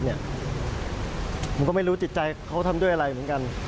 ผมก็ไม่รู้จิตใจเขาทำด้วยอะไรเหมือนกัน